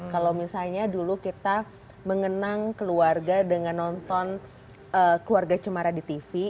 kalau misalnya dulu kita mengenang keluarga dengan nonton keluarga cemara di tv